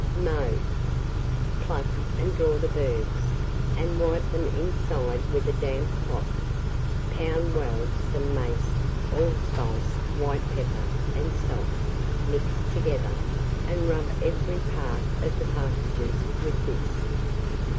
Mode. Pluck and draw the birds, and wipe them inside with a damp cloth. Pound well some mace, allspice, white pepper, and salt; mix together, and rub every part of the partridges with this.